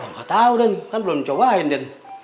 enggak tahu den kan belum cobain den